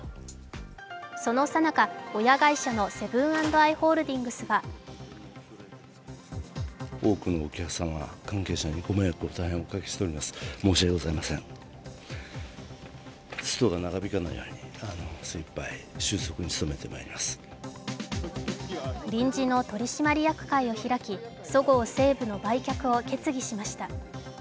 そのさなか、親会社のセブン＆アイ・ホールディングスは臨時の取締役会を開きそごう・西武の売却を決議しました。